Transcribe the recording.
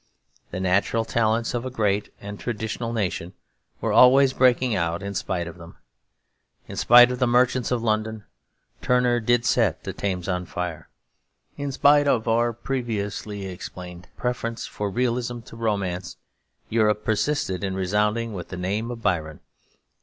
The natural talents of a great and traditional nation were always breaking out in spite of them. In spite of the merchants of London, Turner did set the Thames on fire. In spite of our repeatedly explained preference for realism to romance, Europe persisted in resounding with the name of Byron.